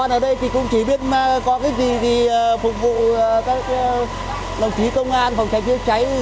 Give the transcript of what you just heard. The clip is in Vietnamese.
và còn ở đây thì cũng chỉ biết có cái gì thì phục vụ các lòng trí công an phòng cháy chữa cháy